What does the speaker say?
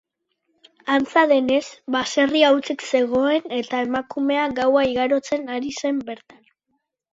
Antza denez, baserria hutsik zegoen eta emakumea gaua igarotzen ari zen bertan.